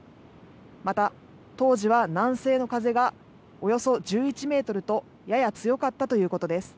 また当時は南西の風がおよそ１１メートルとやや強かったということです。